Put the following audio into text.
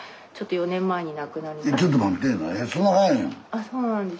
あそうなんです。